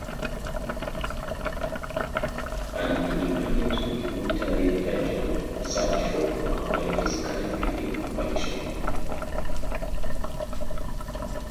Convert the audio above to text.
An independent documentary titled Search For Onoda is currently in production.